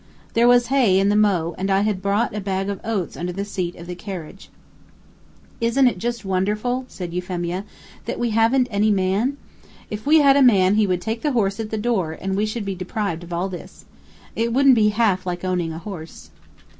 There was hay in the mow and I had brought a bag of oats under the seat of the carriage. "Isn't it just delightful," said Euphemia, "that we haven't any man? If we had a man he would take the horse at the door, and we should be deprived of all this. It wouldn't be half like owning a horse."